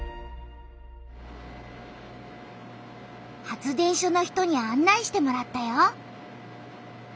発電所の人にあん内してもらったよ。